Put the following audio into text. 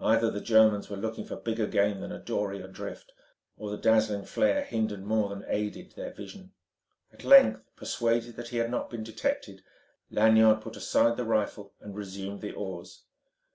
Either the Germans were looking for bigger game than a dory adrift, or the dazzling flare hindered more than aided their vision. At length persuaded that he had not been detected, Lanyard put aside the rifle and resumed the oars.